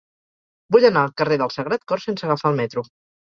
Vull anar al carrer del Sagrat Cor sense agafar el metro.